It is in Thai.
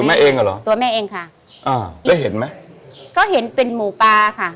แม่เองเหรอตัวแม่เองค่ะอ่าแล้วเห็นไหมก็เห็นเป็นหมูปลาค่ะ